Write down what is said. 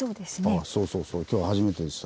あっそうそうそう今日初めてでした。